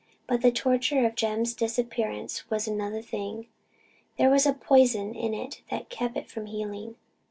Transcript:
But the torture of Jem's disappearance was another thing: there was a poison in it that kept it from healing.